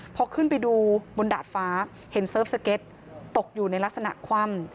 พอขึ้นไปดูบนดาดฟ้าเห็นเซิร์ฟสเก็ตตกอยู่ในลักษณะคว่ำ